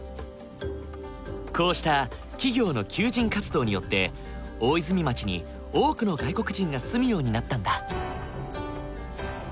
こうした企業の求人活動によって大泉町に多くの外国人が住むようになったんだ。